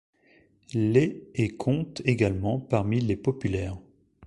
Les et comptent également parmi les populaires.